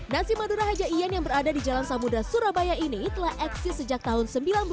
nasi madura haja ian yang berada di jalan samudera surabaya ini telah eksis sejak tahun seribu sembilan ratus delapan puluh